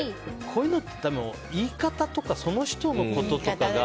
こういうのって言い方とかその人のこととか。